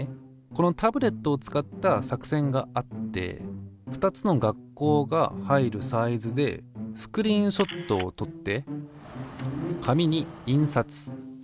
このタブレットを使った作戦があって２つの学校が入るサイズでスクリーンショットをとって紙に印刷。